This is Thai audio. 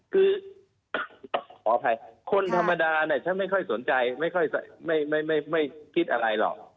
คือขออภัยคนธรรมดาเนี่ยฉันไม่ค่อยสนใจไม่ค่อยไม่คิดอะไรหรอก